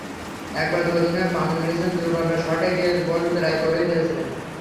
একবার তো অধিনায়ক মামুনুল ইসলাম দূরপাল্লার শটে গোল প্রায় করেই ফেলেছিলেন।